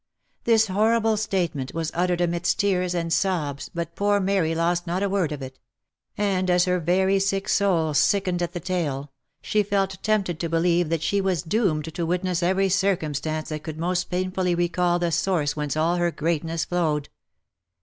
This horrible statement was uttered amidst tears and sobs, but poor Mary lost not a word of it ; and as her very soul sickened at the tale, she felt tempted to believe that she was doomed to witness every cir cumstance that could most painfully recall the source whence all her greatness flowed.